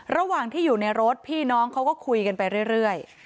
ระหว่างที่อยู่ในรถพี่น้องเขาก็คุยกันไปเรื่อย